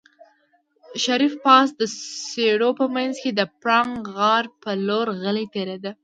شريف پاس د څېړيو په منځ کې د پړانګ غار په لور غلی تېرېده.